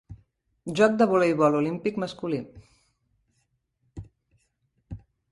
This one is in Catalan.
Joc de voleibol olímpic masculí